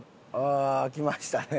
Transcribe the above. ああ来ましたね。